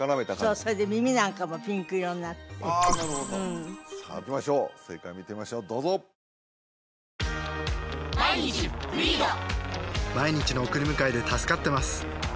そうそれで耳なんかもピンク色になってああなるほどさあいきましょう正解を見てみましょうどうぞあ゛ーーー！